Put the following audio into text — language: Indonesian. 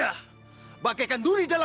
marina masih tadi di depan